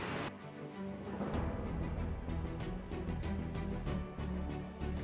dan juga surat sertifikat vaksin booster